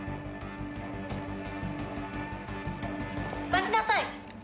待ちなさい！